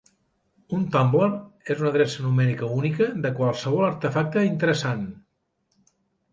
Un "tumbler" és una adreça numèrica única de qualsevol artefacte interessant.